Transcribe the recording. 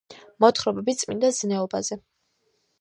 მოთხრობები წმინდა ზნეობაზე